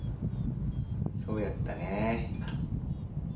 そうやったね。